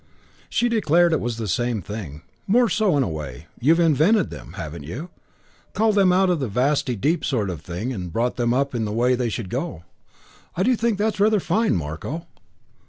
She declared it was the same thing. "More so, in a way. You've invented them, haven't you, called them out of the vasty deep sort of thing and brought them up in the way they should go. I do think it's rather fine, Marko."